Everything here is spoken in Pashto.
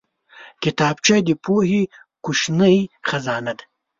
کتابچه د پوهې کوچنۍ خزانه ده